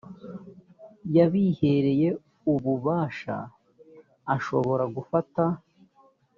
yabihereye ububasha ashobora gufata